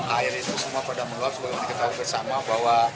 air itu semua pada meluap sebagai diketahui bersama bahwa